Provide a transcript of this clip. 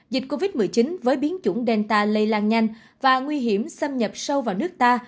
dịch covid một mươi chín với biến chủng delta lây lan nhanh và nguy hiểm xâm nhập sâu vào nước ta